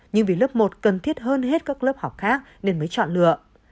nhưng vì lớp một cần thiết hơn hết các lớp học khác nên mới chọn lựa